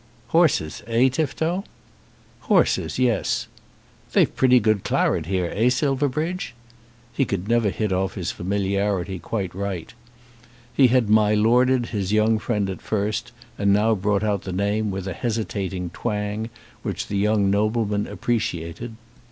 "Horses; eh, Tifto?" "Horses, yes. They've pretty good claret, here, eh, Silverbridge?" He could never hit off his familiarity quite right. He had my Lorded his young friend at first, and now brought out the name with a hesitating twang, which the young nobleman appreciated.